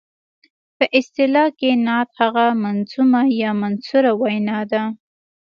په اصطلاح کې نعت هغه منظومه یا منثوره وینا ده.